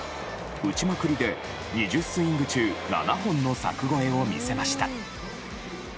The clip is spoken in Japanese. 打ちまくりで、２０スイング中７本の柵越えを見せました。